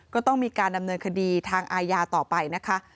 ก็ต้องมีการดำเนินคดีทางอาญาต่อไปนะคะ